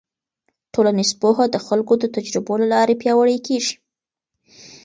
ټولنیز پوهه د خلکو د تجربو له لارې پیاوړې کېږي.